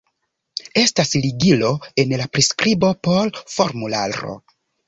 Estas ligilo en la priskribo por formularo